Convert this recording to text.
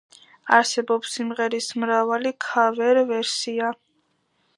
არსებობს სიმღერის მრავალი ქავერ-ვერსია.